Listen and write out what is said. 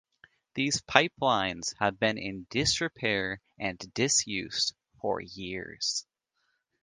These pipelines have been in disrepair and disuse for years.